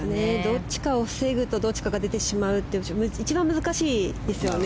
どっちかを防ぐとどっちかが出てしまうという一番難しいですよね。